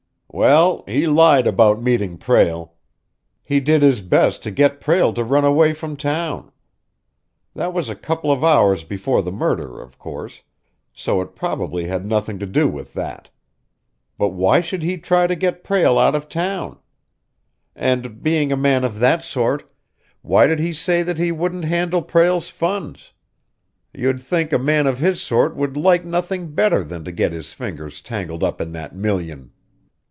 "Well, he lied about meeting Prale. He did his best to get Prale to run away from town. That was a couple of hours before the murder, of course, so it probably had nothing to do with that. But why should he try to get Prale out of town? And, being a man of that sort, why did he say that he wouldn't handle Prale's funds? You'd think a man of his sort would like nothing better than to get his fingers tangled up in that million."